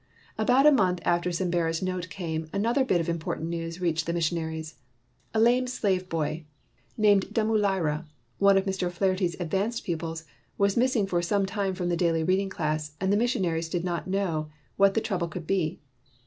About a month after Sembera 's note came, another bit of important news reached the missionaries. A lame slave boy, named Dum ulira, one of Mr. O 'Flaherty's advanced pupils, was missed for some time from the daily reading class, and the missionaries did not know what the trouble could be.